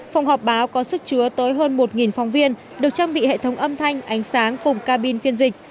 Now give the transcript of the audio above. phòng họp báo có sức chứa tới hơn một phòng viên được trang bị hệ thống âm thanh ánh sáng cùng cabin phiên dịch